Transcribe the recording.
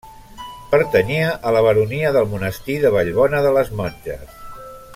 Pertanyia a la baronia del monestir de Vallbona de les Monges.